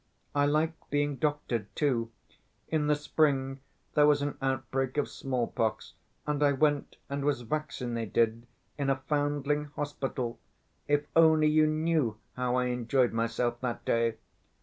I like being doctored too; in the spring there was an outbreak of smallpox and I went and was vaccinated in a foundling hospital—if only you knew how I enjoyed myself that day.